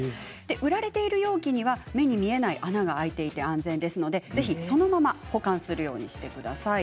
売られている容器には目に見えない穴が開いていて安全ですのでそのまま保管するようにしてください。